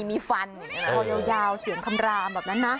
มีฟันคอยาวเสียงคำรามแบบนั้นนะ